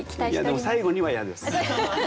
でも最後には嫌です。